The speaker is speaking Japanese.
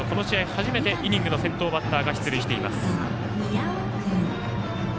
初めて、イニングの先頭バッターが出塁しています。